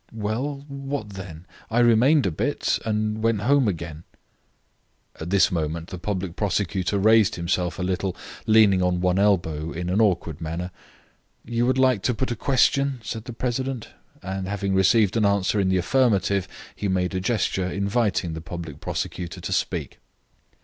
"Well, what then? I remained a bit, and went home again." At this moment the public prosecutor raised himself a little, leaning on one elbow in an awkward manner. "You would like to put a question?" said the president, and having received an answer in the affirmative, he made a gesture inviting the public prosecutor to speak.